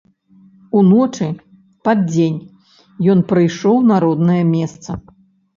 Уночы, пад дзень, ён прыйшоў на роднае месца.